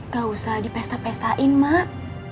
gak usah dipesta pestain mak